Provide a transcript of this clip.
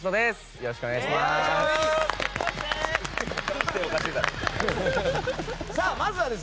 よろしくお願いします。